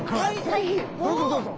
是非どうぞどうぞ。